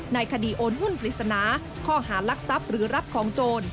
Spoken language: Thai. ในคดีโอนหุ้นปริศนาข้อหารักทรัพย์หรือรับของโจร